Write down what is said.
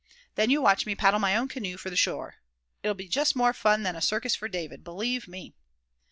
Then you watch me paddle my own canoe for the shore. It'll be just more fun than a circus for David, believe me."